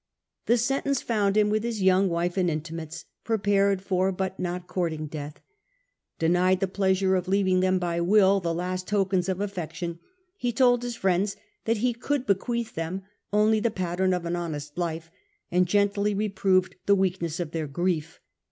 The sentence found him with his young wife and intimates, prepared for but not courting death. Denied the pleasure of leaving them by will the last tokens of affection, he told his friends that he could bequeath them only the pattern of an honest life, and gently reproved the weakness of their grief.